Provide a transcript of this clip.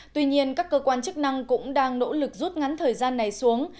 tuy nhiên các cơ quan chức năng cũng đang nỗ lực rút ngắn thời gian này xuống